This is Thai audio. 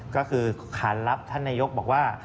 ก็คือขานรับท่านนายกบอกว่า